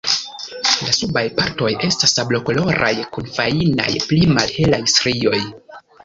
La subaj partoj estas sablokoloraj kun fajnaj pli malhelaj strioj.